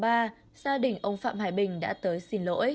gia đình ông phạm hải bình đã tới xin lỗi